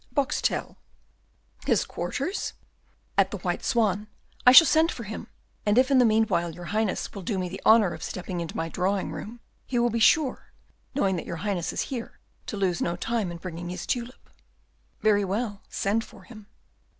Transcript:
"Boxtel." "His quarters?" "At the White Swan; I shall send for him, and if in the meanwhile your Highness will do me the honour of stepping into my drawing room, he will be sure knowing that your Highness is here to lose no time in bringing his tulip." "Very well, send for him."